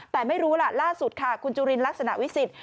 แต่ไม่รู้ล่ะล่าสุดค่ะคุณจุรินรัฐสนาวิสิต